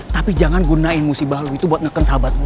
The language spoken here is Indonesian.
tapi jangan gunain musibah lo itu buat ngeken sahabat gue